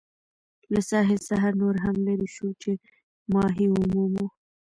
له ساحل څخه نور هم لیري شوو چې ماهي ومومو.